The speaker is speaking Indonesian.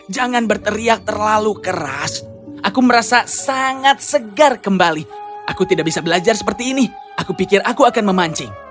jangan berteriak terlalu keras aku merasa sangat segar kembali aku tidak bisa belajar seperti ini aku pikir aku akan memancing